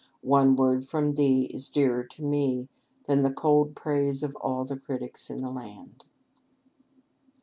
One word from thee is dearer to me than the cold praise of all the critics in the land."